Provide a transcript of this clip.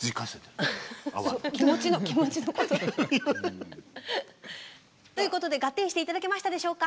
気持ちのことですか？ということでガッテンして頂けましたでしょうか？